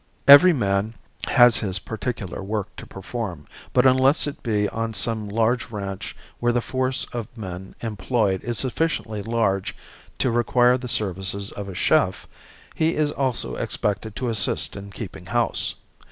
Every man has his particular work to perform, but unless it be on some large ranch where the force of men employed is sufficiently large to require the services of a chef, he is also expected to assist in keeping house.